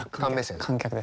観客です。